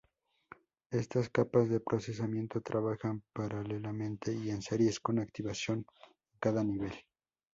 Estas capas de procesamiento trabajan paralelamente y en series, con activación en cada nivel.